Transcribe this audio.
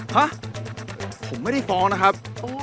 ฮะผมไม่ได้ฟ้องนะครับ